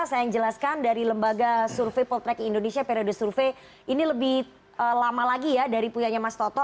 saya yang jelaskan dari lembaga survei poltrek indonesia periode survei ini lebih lama lagi ya dari puyanya mas toto